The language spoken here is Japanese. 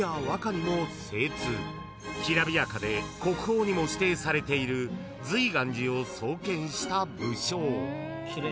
［きらびやかで国宝にも指定されている瑞巌寺を創建した武将］